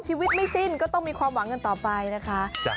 ชีวิตไม่สิ้นก็ต้องมีความหวังกันต่อไปนะคะ